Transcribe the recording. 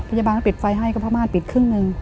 พยาบาลปิดไฟให้ก็ผ้าม่านปิดครึ่งนึง